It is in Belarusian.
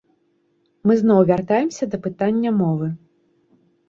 Мы зноў вяртаемся да пытання мовы.